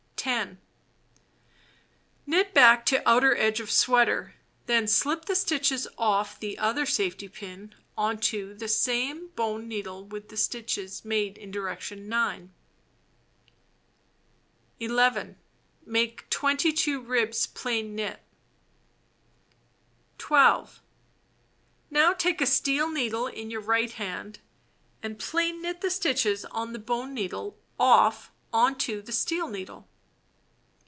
iY|o 10. Knit back to outer edge of sweater. Then slip the blip Olil stitches off the other safety pin on to the same bone needle ^^fe'tV BlfL^^^^ ^^^^ stitches made in direction No. 9. ^ X 11. Make 22 ribs plain knit. 12. Now take a steel needle in your right hand, and plain knit the stitches on the bone needle off on to the steel needle.